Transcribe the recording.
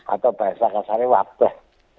atau bahasa kasarnya wabah